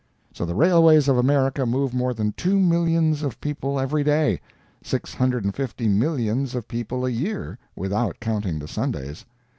So the railways of America move more than two millions of people every day; six hundred and fifty millions of people a year, without counting the Sundays.